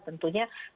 tentunya ada skenario